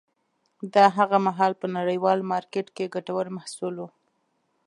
دا هغه مهال په نړیوال مارکېټ کې ګټور محصول و